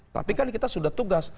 tapi kan kita sudah tugas